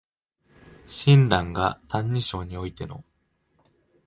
親鸞が「歎異抄」においての